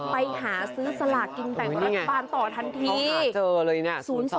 ไปหาซื้อสลากินแต่ครัฐปันต่อทันทีเขาหาเจอเลยนะ๐๒๐อ๋อ